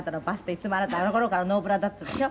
いつもあなたあの頃からノーブラだったでしょ。